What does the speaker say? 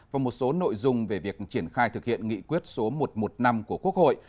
và một số nội dung về việc triển khai thực hiện nghị quyết số một trăm một mươi năm của quốc hội